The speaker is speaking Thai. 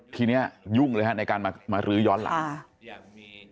ทีนี้ยุ่งเลยฮะในการมารื้อย้อนหลัง